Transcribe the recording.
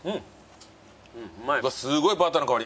すごいバターの香り。